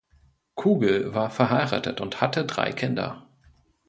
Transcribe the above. Kugel war verheiratet und hatte drei Kinder.